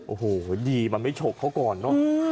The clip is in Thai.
โอ้โหดีมันไม่ฉกเขาก่อนเนอะ